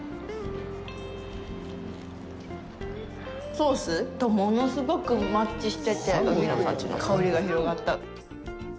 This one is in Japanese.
ソースと物すごくマッチしてて海の幸が香りが広がった。